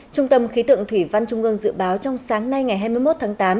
trung tâm khí tượng thủy văn trung ương dự báo trong sáng nay ngày hai mươi một tháng tám